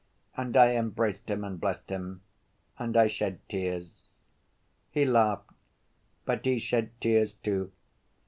And I embraced him and blessed him. And I shed tears. He laughed, but he shed tears, too